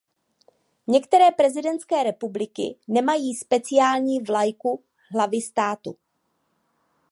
Některé prezidentské republiky nemají speciální vlajku hlavy státu.